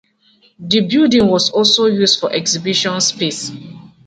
The building was also used for exhibition space.